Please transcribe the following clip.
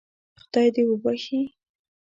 خدای دې وبخښي.